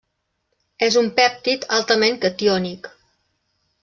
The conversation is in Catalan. És un pèptid altament catiònic.